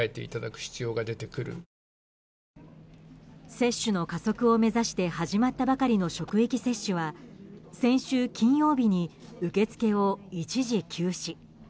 接種の加速を目指して始まったばかりの職域接種は先週金曜日に受け付けを一時休止。